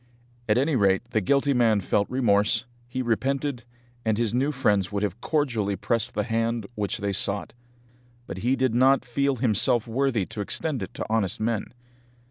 At any rate the guilty man felt remorse, he repented, and his new friends would have cordially pressed the hand which they sought; but he did not feel himself worthy to extend it to honest men!